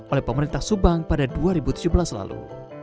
oleh pemerintah subang pada dua ribu tujuh belas lalu